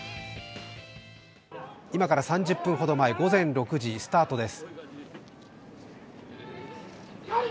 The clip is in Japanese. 今から３０分ほど前、午前６時、スタートです。